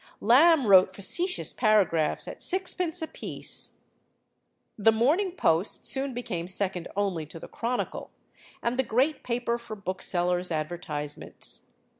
Lamb wrote facetious paragraphs at sixpence a piece. The Morning Post soon became second only to the Chronicle, and the great paper for booksellers' advertisements.